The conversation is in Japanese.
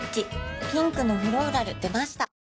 ピンクのフローラル出ました